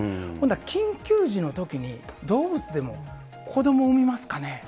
緊急時のときに動物でも子ども産みますかね。